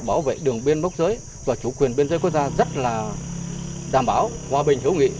bảo vệ đường biên mốc giới và chủ quyền biên giới quốc gia rất là đảm bảo hòa bình hữu nghị